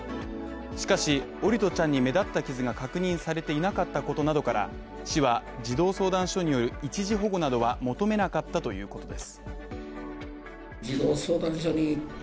しかし、桜利斗ちゃんに目立った傷が確認されていなかったことなどから、市は児童相談所による一時保護などは求めなかったということです。